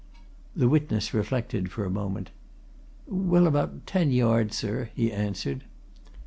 The witness reflected for a moment. "Well, about ten yards, sir," he answered.